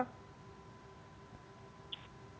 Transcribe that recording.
jadi itu sudah tervalidasi google sudah mendaftar